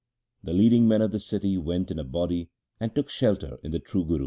The leading men of the city went in a body and took shelter in the true Guru.